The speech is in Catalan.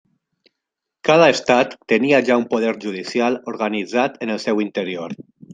Cada estat tenia ja un poder judicial organitzat en el seu interior.